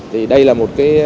thì đây là một cái